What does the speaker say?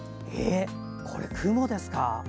これ、雲ですか。